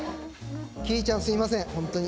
キーちゃんすいませんホントに。